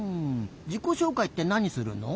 じこしょうかいってなにするの？